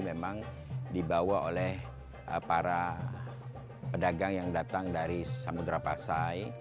memang dibawa oleh para pedagang yang datang dari samudera pasai